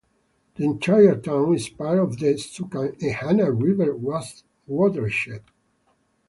The entire town is part of the Susquehanna River watershed.